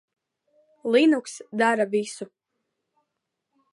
Linux dara visu.